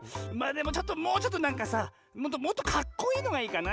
でももうちょっとなんかさもっとカッコいいのがいいかな。